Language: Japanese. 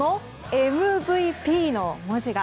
ＭＶＰの文字が。